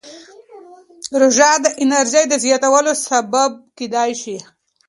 روژه د انرژۍ د زیاتوالي سبب کېدای شي.